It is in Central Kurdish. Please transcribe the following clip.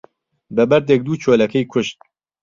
بە بەردێک دوو چۆلەکەی کوشت